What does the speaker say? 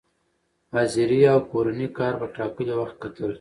حاضري او کورني کار په ټاکلي وخت کتل،